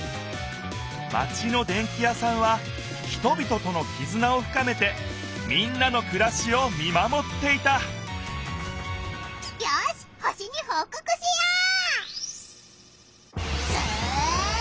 マチのでんき屋さんは人びととのきずなをふかめてみんなのくらしを見まもっていたよし星にほうこくしよう！